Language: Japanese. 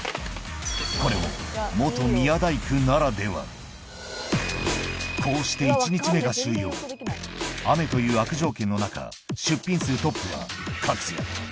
これも宮大工ならではこうして１日目が終了雨という悪条件の中出品数トップはＫＡＴＳＵＹＡ